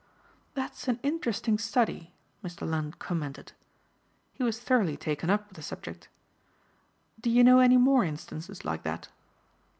"That's an interesting study," Mr. Lund commented. He was thoroughly taken up with the subject. "Do you know any more instances like that?"